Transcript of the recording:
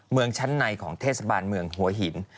เมืองชั้นในของเทศบาลเมืองหัวหิน